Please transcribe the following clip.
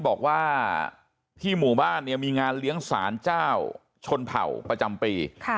บอกว่าที่หมู่บ้านเนี่ยมีงานเลี้ยงสารเจ้าชนเผ่าประจำปี